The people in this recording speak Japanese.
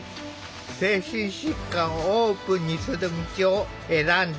精神疾患をオープンにする道を選んだ。